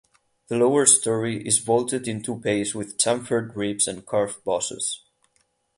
The lower storey is vaulted in two bays with chamfered ribs and carved bosses.